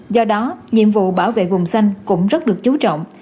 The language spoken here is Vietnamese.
do đó nhiệm vụ bảo vệ vùng xanh cũng rất được chú trọng